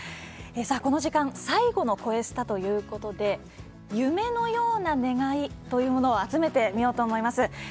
この時間、最後の「こえスタ」ということで夢のような願いというものを集めてみようと思います。